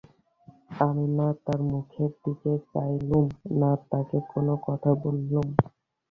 আমি না তার মুখের দিকে চাইলুম, না তাকে কোনো কথা বললুম।